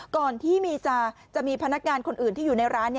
ก่อนที่จะมีพนักงานคนอื่นที่อยู่ในร้าน